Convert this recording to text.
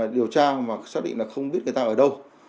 điều tra mà xác định là không biết người ta ở đâu